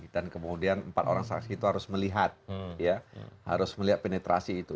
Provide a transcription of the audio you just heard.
dan kemudian empat orang saksi itu harus melihat penetrasi itu